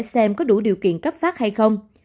xem có đủ điều kiện cấp phát hay không